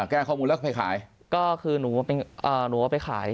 แก้ข้อมูลแล้วก็ไปขายก็คือหนูว่าไปขาย